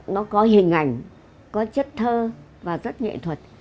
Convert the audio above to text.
nó có hình ảnh có chất thơ và rất nghệ thuật